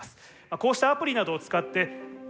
こうしたアプリなどを使って家